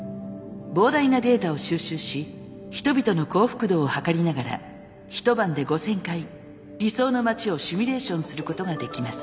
膨大なデータを収集し人々の幸福度をはかりながら一晩で５，０００回理想の街をシミュレーションすることができます。